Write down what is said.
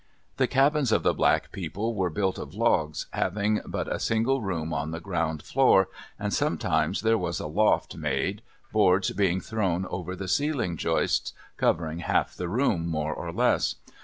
The cabins of the black people were built of logs, having but a single room on the ground floor, and sometimes there was a loft made, boards being thrown over the ceiling joists, covering half the room, more or less.